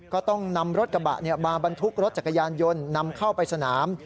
ก็ต้องนำรถกระบะมาบรรทุกรถจักรยานยนต์นำเข้าไปสนาม